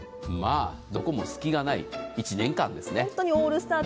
どこも隙がない１年間ですね。